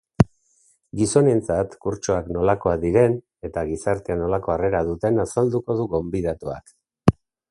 Gizonentzat kurtsoak nolakoak diren eta gizartean nolako harrera duten azalduko du gonbidatuak.